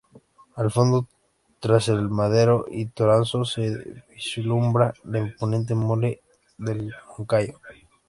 Al fondo, tras el Madero y Toranzo se vislumbra la imponente mole del Moncayo.